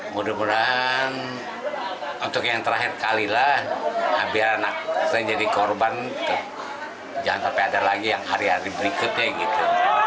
mudah mudahan untuk yang terakhir kalilah biar anak saya jadi korban jangan sampai ada lagi yang hari hari berikutnya gitu